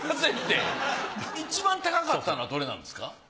いちばん高かったのはどれなんですか？